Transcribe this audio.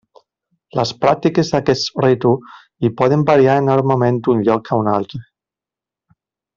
Les pràctiques d'aquest ritu i poden variar enormement d'un lloc a un altre.